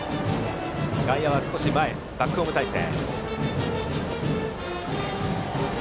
外野は少し前、バックホーム態勢。